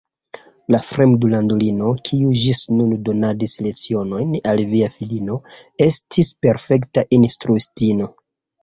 La fremdlandulino, kiu ĝis nun donadis lecionojn al via filino, estis perfekta instruistino.